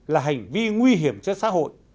là hành vi nguy hiểm cho xã hội